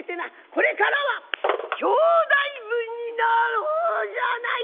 これからは兄弟分になろうじゃないか」。